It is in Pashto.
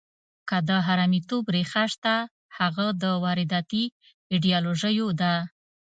که د حرامیتوب ریښه شته، هغه د وارداتي ایډیالوژیو ده.